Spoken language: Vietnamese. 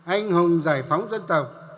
anh hùng giải phóng dân tộc